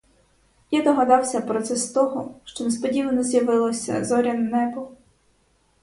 Я догадався про це з того, що несподівано з'явилося зоряне небо.